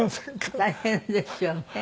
大変ですよね。